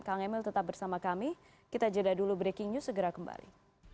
kang emil tetap bersama kami kita jeda dulu breaking news segera kembali